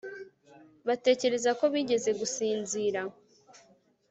Batekereza ko bigeze gusinzira